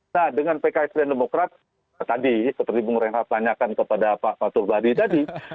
nah dengan pks dan demokrat tadi seperti bung renhard tanyakan kepada pak fatul badi tadi